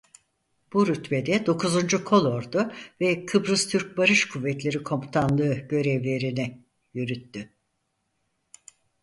Bu rütbede dokuzuncu Kolordu ve Kıbrıs Türk Barış Kuvvetleri Komutanlığı görevlerini yürüttü.